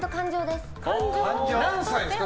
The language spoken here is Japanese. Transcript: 何歳ですか？